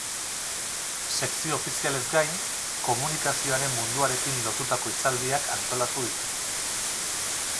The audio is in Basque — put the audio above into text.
Sekzio ofizialez gain, komunikazioaren munduarekin lotutako hitzaldiak antolatu dituzte.